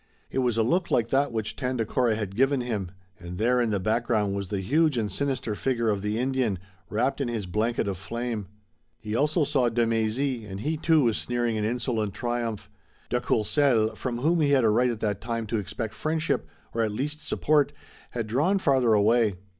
It was a look like that which Tandakora had given him, and there in the background was the huge and sinister figure of the Indian, wrapped in his blanket of flame. He also saw de Mézy and he too was sneering in insolent triumph. De Courcelles, from whom he had a right at that time to expect friendship, or at least support, had drawn farther away.